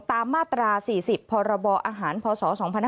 ตามมาตรา๔๐พลอพศ๒๕๒๒